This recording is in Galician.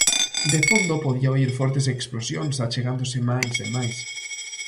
De fondo podía oír fortes explosións achegándose máis e máis.